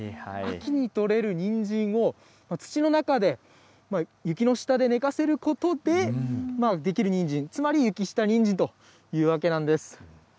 秋に取れるにんじんを、土の中で、雪の下で寝かせることで、できるにんじん、つまり雪下にんじんというわけなんです。